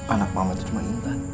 anak mama itu cuma intan